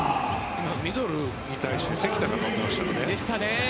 ミドルに対して関田が対応しましたね。